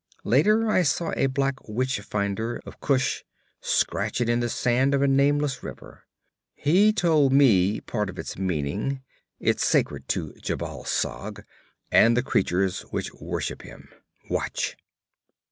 Later I saw a black witch finder of Kush scratch it in the sand of a nameless river. He told me part of its meaning it's sacred to Jhebbal Sag and the creatures which worship him. Watch!'